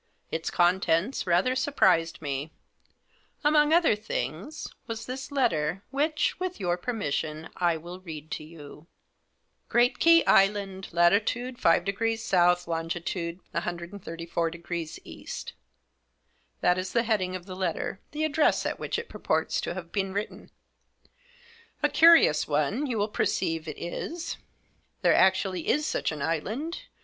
" Its contents rather surprised me. Among other things was this letter, which, with your permission! I will read to you, ' Great Ke Island, lat 5 South; long. 134° East —that is the heading of the letter ; the address at which it purports to have been written. A curious one, you will perceive it is. There actually is such an island.